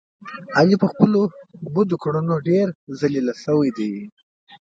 علي په خپلو بدو کړنو ډېر لیله شو دی.